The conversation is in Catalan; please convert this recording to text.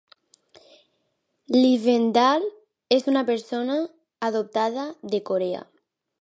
Lifvendahl és una persona adoptada de Corea.